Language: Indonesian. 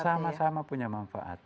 sama sama punya manfaat